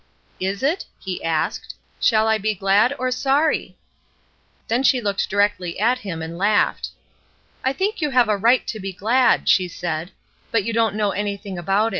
"Is it?" he asked. "Shall I be glad or sorry?" 406 ESTER RIED'S NAMESAKE Then she looked directly at him and laughed. "I think you have a right to be glad," she said. "But you don't know anything about